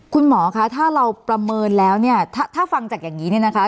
คุณหมอคะถ้าเราประเมินแล้วเนี่ยถ้าฟังจากอย่างนี้เนี่ยนะคะ